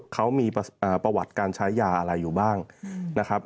เขามีประวัติการใช้ยาอะไรอยู่บ้างนะครับ